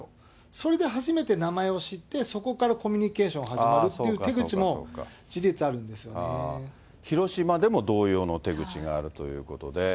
それで初めて名前を知って、そこからコミュニケーションを始めるっていう手口も事実、あるん広島でも同様の手口があるということで。